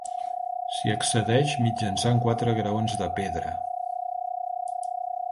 S'hi accedeix mitjançant quatre graons de pedra.